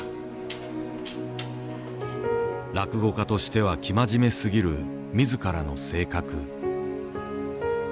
落語家としては生真面目すぎる自らの性格。